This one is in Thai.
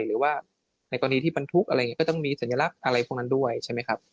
หรือว่าในกรณีที่บรรทุกอะไรอย่างนี้ก็ต้องมีสัญลักษณ์อะไรพวกนั้นด้วยใช่ไหมครับ